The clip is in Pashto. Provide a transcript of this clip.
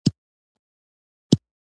نور بس دی ، ماغزه مي مه خوره !